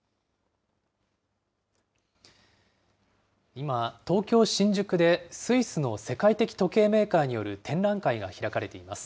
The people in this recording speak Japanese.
今、東京・新宿で、スイスの世界的時計メーカーによる展覧会が開かれています。